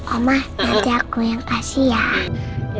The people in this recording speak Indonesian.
oma nanti aku yang kasih ya